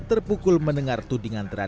terpukul mendengar tudingan terakhir